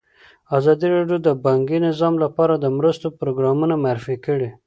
ازادي راډیو د بانکي نظام لپاره د مرستو پروګرامونه معرفي کړي.